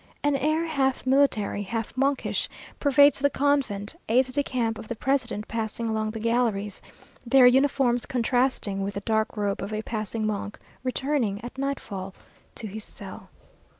An air half military, half monkish, pervades the convent aides de camp of the president passing along the galleries, their uniforms contrasting with the dark robe of a passing monk, returning at nightfall to his cell.